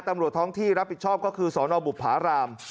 ตำรวจท้องที่รับผิดชอบก็คือสนบุภาราม